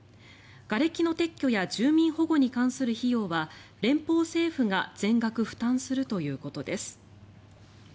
がれきの撤去や住民保護に関する費用は連邦政府が全額負担するということです。